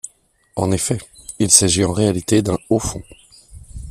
En effet, il s'agit en réalité d'un haut fond.